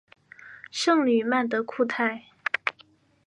圣吕曼德库泰。